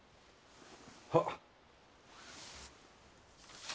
はっ。